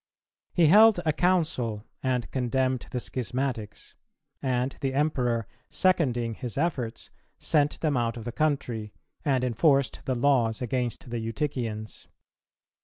He held a council, and condemned the schismatics; and the Emperor, seconding his efforts, sent them out of the country, and enforced the laws against the Eutychians.